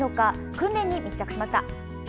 訓練に密着しました。